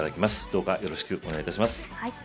どうかよろしくお願いいたします。